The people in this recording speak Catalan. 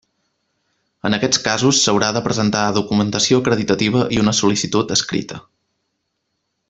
En aquests casos, s'haurà de presentar documentació acreditativa i una sol·licitud escrita.